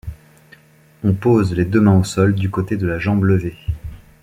On pose les deux mains au sol du côté de la jambe levée.